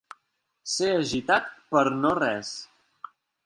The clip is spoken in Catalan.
Ser agitat per no res.